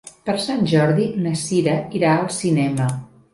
Per Sant Jordi na Sira irà al cinema.